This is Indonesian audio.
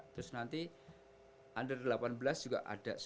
terus nanti under delapan belas juga ada sepuluh